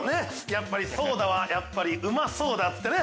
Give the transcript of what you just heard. やっぱりソーダはやっぱりうまソーダつってね。